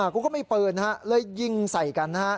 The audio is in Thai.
กูก็มีปืนเลยยิงใส่กันนะฮะ